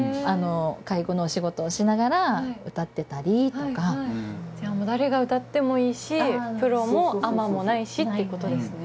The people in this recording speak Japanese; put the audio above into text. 介護のお仕事をしながらうたってたりとかじゃあもう誰がうたってもいいしプロもアマもないしっていうことですね